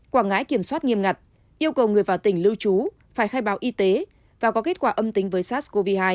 quảng ngãi kiểm soát nghiêm ngặt yêu cầu người vào tỉnh lưu trú phải khai báo y tế và có kết quả âm tính với sars cov hai